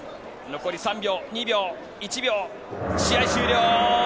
残り３秒、２秒、１秒試合終了。